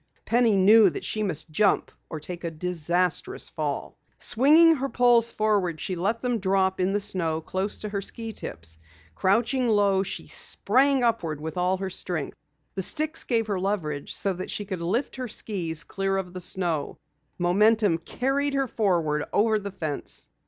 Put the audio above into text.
Penny knew that she must jump or take a disastrous fall. Swinging her poles forward, she let them drop in the snow close to her ski tips. Crouching low she sprang upward with all her strength. The sticks gave her leverage so that she could lift her skis clear of the snow. Momentum carried her forward over the fence.